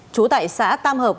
chú tại xã tam hợp